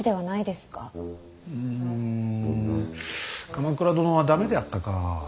うん鎌倉殿は駄目であったか。